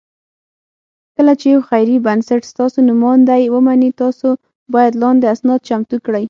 کله چې یو خیري بنسټ ستاسو نوماندۍ ومني، تاسو باید لاندې اسناد چمتو کړئ: